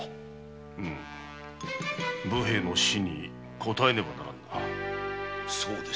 うむ武兵衛の死に応えねばならぬな。